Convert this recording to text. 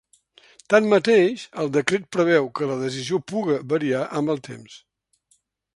Tanmateix, el decret preveu que la decisió puga variar amb el temps.